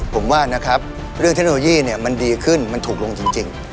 ผมว่านะครับเรื่องเทคโนโลยีเนี่ยมันดีขึ้นมันถูกลงจริง